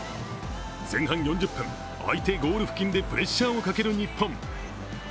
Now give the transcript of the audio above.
前半４０分、相手ゴール付近でプレッシャーをかける日本。